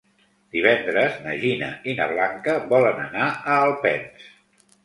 Divendres na Gina i na Blanca volen anar a Alpens.